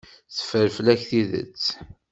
Teffer fell-ak tidet.